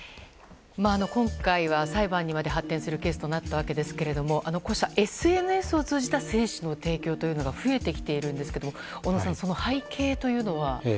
今回は裁判にまで発展するケースとなった訳ですがこうしたＳＮＳを通じた精子の提供が増えてきているんですけど小野さん、その背景というのは。